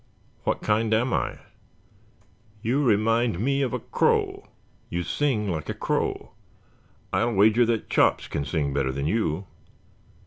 "What kind am I?" "You remind me of a crow. You sing like a crow. I'll wager that Chops can sing better than you."